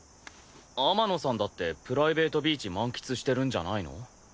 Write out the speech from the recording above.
天野さんだってプライベートビーチ満喫してるんじゃないの？